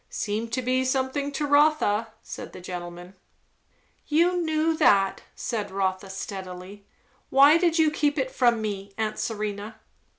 "Seem to be something to Rotha," said the gentleman. "You knew that," said Rotha, steadily. "Why did you keep it from me, aunt Serena?"